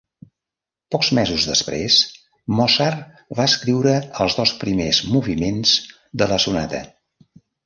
Pocs mesos després Mozart va escriure els dos primers moviments de la sonata.